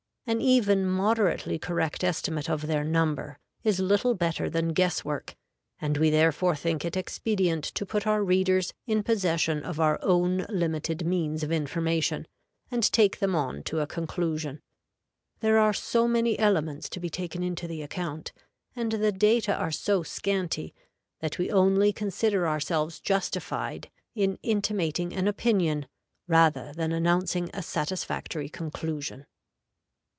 An even moderately correct estimate of their number is little better than guess work, and we therefore think it expedient to put our readers in possession of our own limited means of information, and take them on to a conclusion. There are so many elements to be taken into the account, and the data are so scanty, that we only consider ourselves justified in intimating an opinion rather than announcing a satisfactory conclusion.